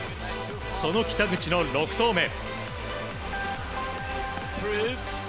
その北口の６投目。